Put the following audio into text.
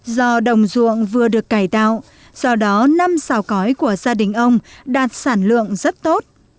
do đồng ruộng vừa được cải tạo do đó năm xào cõi của gia đình ông đạt sản lượng rất tốt